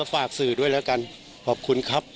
ฝากสื่อด้วยแล้วกันขอบคุณครับ